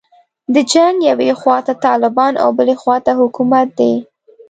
د جنګ یوې خواته طالبان او بلې خواته حکومت دی.